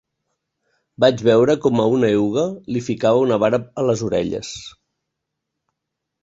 Vaig veure com a una euga li ficava una vara a les orelles.